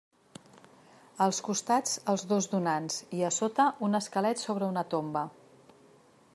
Als costats els dos donants i a sota un esquelet sobre una tomba.